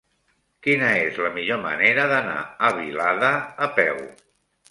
Quina és la millor manera d'anar a Vilada a peu?